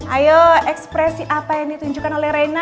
ayo ekspresi apa yang ditunjukkan oleh reina